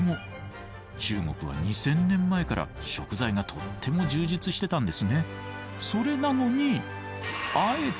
中国は２，０００年前から食材がとっても充実してたんですね。